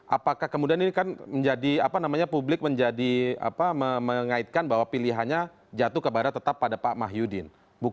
apakah kemudian ini kan menjadi apa namanya publik menjadi mengaitkan bahwa pilihannya jatuh ke barat tetap pada pak mahyudin